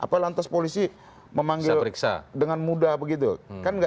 saya kasih analogi aja